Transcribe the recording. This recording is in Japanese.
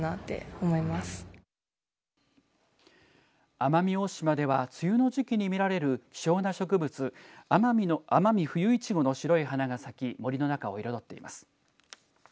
奄美大島では梅雨の時期に見られる希少な植物、アマミフユイチゴの白い花が咲き森の中を彩っています。